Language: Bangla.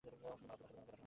শুধু মলমটা দাও।